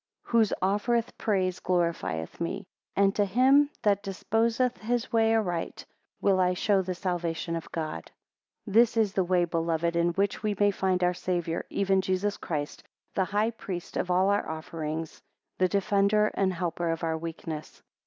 14 Whose offereth praise, glorifieth me; And to him that disposeth his way aright, will I show the salvation of God. 15 This is the way, beloved, in which we may find our Saviour, even Jesus Christ, the high priest of all our offerings, the defender and helper of our weakness.